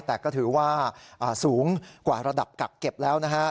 แต่ก็ถือว่าสูงกว่าระดับกักเก็บแล้วนะฮะ